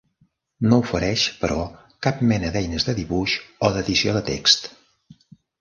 No ofereix, però, cap mena d'eines de dibuix o d'edició de text.